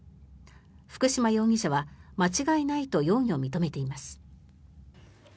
福島容疑者は間違いないと容疑を認めています。